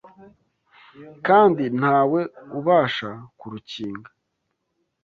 kandi nta we ubasha kurukinga